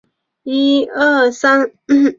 嘉靖四年担任广东惠州府知府。